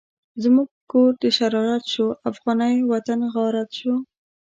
زموږ کور د شرارت شو، افغانی وطن غارت شو